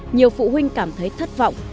nhiều phụ huynh cảm thấy thất vọng